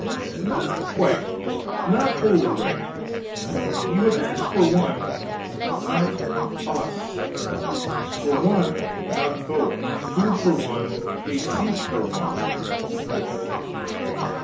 "Not quite, not wholly right. You have asked for one, not us for one, not both; food for one, a seat for one."